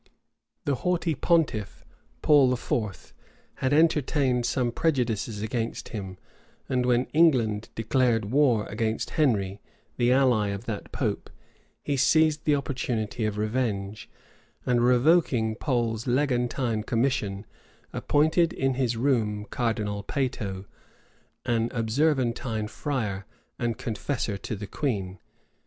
The haughty pontiff, Paul IV., had entertained some prejudices against him; and when England declared war against Henry, the ally of that pope, he seized the opportunity of revenge; and revoking Pole's legatine commission, appointed in his room Cardinal Peyto, an Observantine friar, and confessor to the queen.